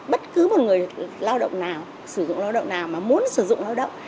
bất cứ một người lao động nào sử dụng lao động nào mà muốn sử dụng lao động